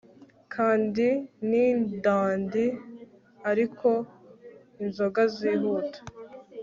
candy ni dandy, ariko inzoga zirihuta